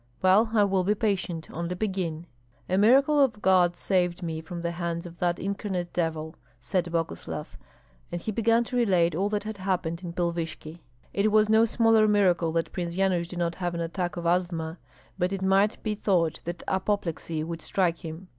"Well, I will be patient, only begin." "A miracle of God saved me from the hands of that incarnate devil," said Boguslav; and he began to relate all that had happened in Pilvishki. It was no smaller miracle that Prince Yanush did not have an attack of asthma, but it might be thought that apoplexy would strike him.